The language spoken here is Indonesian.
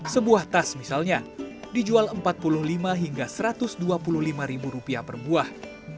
sebuah tas misalnya dijual rp empat puluh lima hingga satu ratus dua puluh lima ribu rupiah per buah